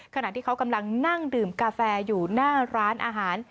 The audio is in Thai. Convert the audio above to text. ขณะที่เขากำลังนั่งดื่มกาแฟอยู่หน้าร้านอาหาร